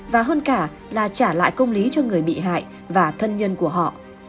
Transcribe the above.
và hơn cả là trả lại công lý cho người bị hại và thân nhân của họ